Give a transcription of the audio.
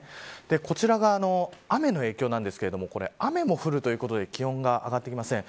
こちらが、雨の影響ですが雨も降るということで気温が上がってきません。